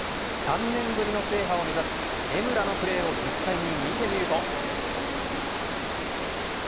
３年ぶりの制覇を目指す江村のプレーを実際に見てみると。